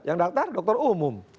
yang daftar dokter umum